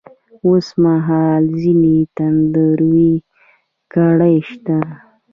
اوس مـهال ځــينې تـنـدروې کـړۍ شـتـه.